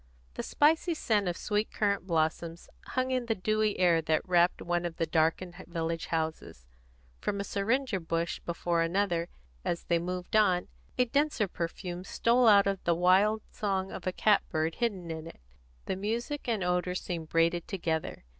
The spicy scent of sweet currant blossoms hung in the dewy air that wrapped one of the darkened village houses. From a syringa bush before another, as they moved on, a denser perfume stole out with the wild song of a cat bird hidden in it; the music and the odour seemed braided together.